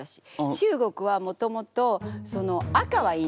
中国はもともとその赤はいいんです。